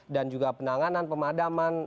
dan juga penanganan pemadaman